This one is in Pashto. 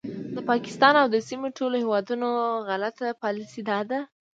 د پاکستان او د سیمې ټولو هیوادونو غلطه پالیسي دا ده